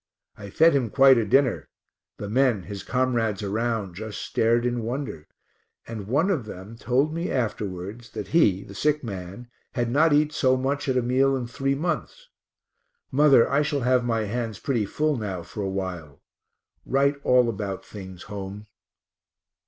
I fed him quite a dinner; the men, his comrades around, just stared in wonder, and one of them told me afterwards that he (the sick man) had not eat so much at a meal in three months. Mother, I shall have my hands pretty full now for a while write all about things home.